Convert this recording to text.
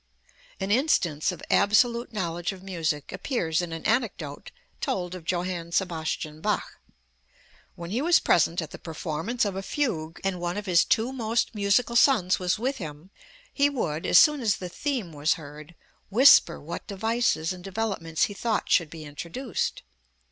An instance of absolute knowledge of music appears in an anecdote told of Johann Sebastian Bach. When he was present at the performance of a fugue and one of his two most musical sons was with him, he would, as soon as the theme was heard, whisper what devices and developments he thought should be introduced.